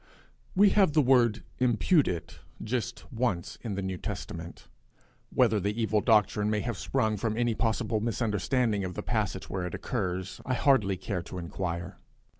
We have the word imputed just once in the New Testament. Whether the evil doctrine may have sprung from any possible misunderstanding of the passage where it occurs, I hardly care to inquire.